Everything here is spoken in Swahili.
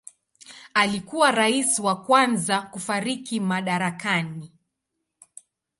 Alikuwa rais wa kwanza kufariki madarakani.